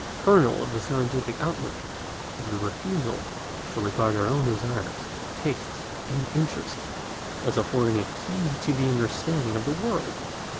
The kernel of the scientific outlook is the refusal to regard our own desires, tastes, and interests as affording a key to the understanding of the world.